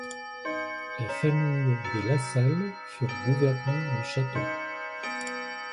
La famille des La Salle furent gouverneurs du château.